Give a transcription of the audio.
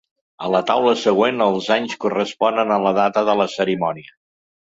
A la taula següent, els anys corresponen a la data de la cerimònia.